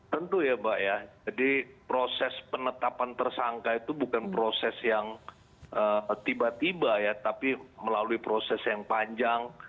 tentu ya mbak ya jadi proses penetapan tersangka itu bukan proses yang tiba tiba ya tapi melalui proses yang panjang